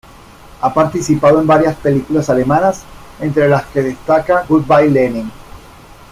Ha participado en varias películas alemanas, entre las que destaca "Good Bye, Lenin!